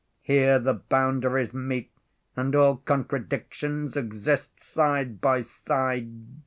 Here the boundaries meet and all contradictions exist side by side.